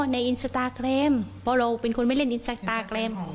ในอินสตาแกรมเพราะเราเป็นคนไม่เล่นอินสตาแกรม